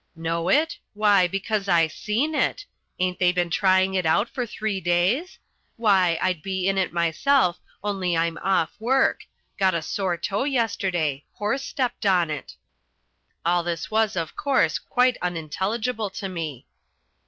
"Know it? Why because I seen it. Ain't they been trying it out for three days? Why, I'd be in it myself only I'm off work. Got a sore toe yesterday horse stepped on it." All this was, of course, quite unintelligible to me.